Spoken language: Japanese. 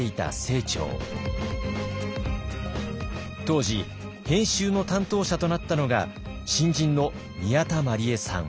当時編集の担当者となったのが新人の宮田毬栄さん。